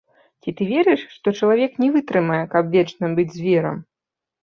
Ці ты верыш, што чалавек не вытрымае, каб вечна быць зверам?